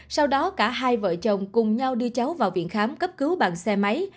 sau đó cả hai vợ chồng cùng nhau đưa cháu vào viện khám cấp cứu bằng xe máy